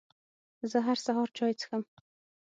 زه هر سهار چای څښم